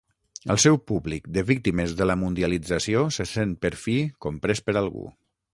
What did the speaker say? El seu públic de víctimes de la mundialització se sent per fi comprés per algú.